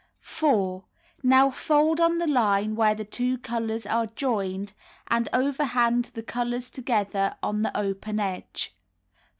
4. Now fold on the line where the two colors are joined, and overhand the colors together on the open edge.